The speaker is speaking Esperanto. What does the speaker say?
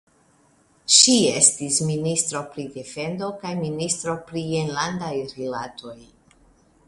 Ŝi estis ministro pri defendo kaj ministro pri enlandaj rilatoj.